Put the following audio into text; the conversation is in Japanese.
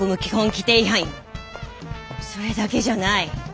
それだけじゃない。